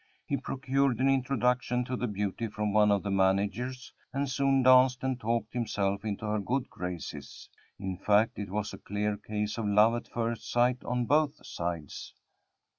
He procured an introduction to the beauty from one of the managers, and soon danced and talked himself into her good graces. In fact, it was a clear case of love at first sight on both sides.